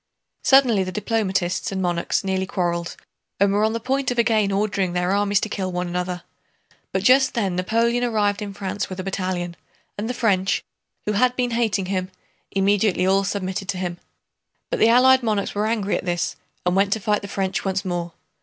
Suddenly the diplomatists and monarchs nearly quarreled and were on the point of again ordering their armies to kill one another, but just then Napoleon arrived in France with a battalion, and the French, who had been hating him, immediately all submitted to him. But the Allied monarchs were angry at this and went to fight the French once more.